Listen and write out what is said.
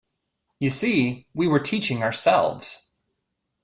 You see, we were teaching ourselves.